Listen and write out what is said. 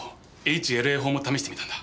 「ＨＬＡ法」も試してみたんだ。